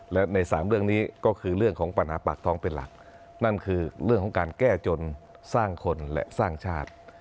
และในสามเรื่องนี้ก็คือเรื่องของปัญหาปากท้องเป็นหลักนั่นคือเรื่องของการแก้จนสร้างคนและสร้างชาติ